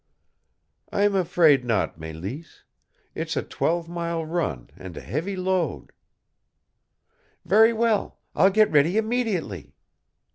"I'm afraid not, Mélisse. It's a twelve mile run and a heavy load." "Very well. I'll get ready immediately."